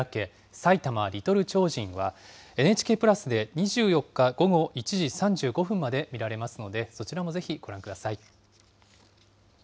埼玉リトル超人は、ＮＨＫプラスで２４日午後１時３５分まで見られますので、そちらもぜひご覧ください。